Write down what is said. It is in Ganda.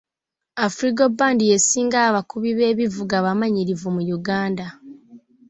Afrigo band y'esinga abakubi b'ebivuga abamanyirivu mu Uganda.